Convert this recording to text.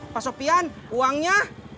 pak sopian uangnya